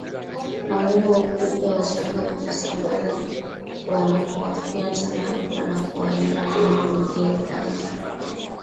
mabuu au kupe wachanga huvisambaza wanapowafyonza au wanapowanyonya wanyama wengine damu